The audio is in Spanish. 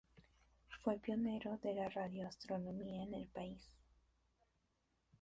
Fue pionero de la radioastronomía en el país.